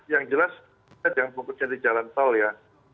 yang jelas kita jangan punggung jadi jalan tol ya